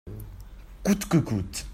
coûte que coûte.